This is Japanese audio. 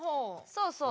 そうそう。